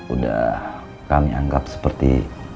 udah kami anggap seperti